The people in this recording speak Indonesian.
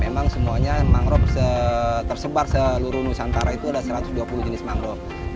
memang semuanya mangrove tersebar seluruh nusantara itu ada satu ratus dua puluh jenis mangrove